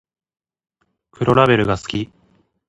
黒ラベルが好き